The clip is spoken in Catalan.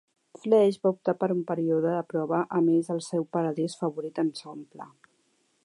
Flex va optar per un període de prova amb ells al seu paradís favorit en segon pla.